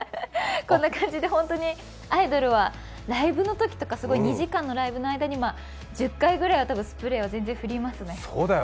こんな感じで本当にアイドルはライブのときとか２時間のライブの間に１０回ぐらいはスプレーを全然振りますね。